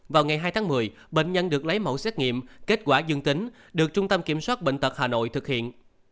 vào ngày hai tháng một mươi bệnh nhân được lấy mẫu xét nghiệm kết quả dương tính được trung tâm kiểm soát bệnh tật hà nội thực hiện